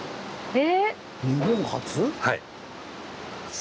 え？